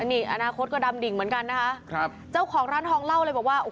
นี่อนาคตก็ดำดิ่งเหมือนกันนะคะครับเจ้าของร้านทองเล่าเลยบอกว่า